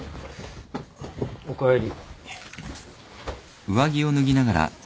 おかえり。